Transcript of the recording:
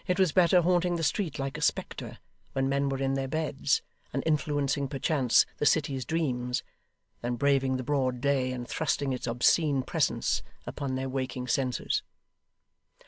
It was better haunting the street like a spectre, when men were in their beds, and influencing perchance the city's dreams, than braving the broad day, and thrusting its obscene presence upon their waking senses.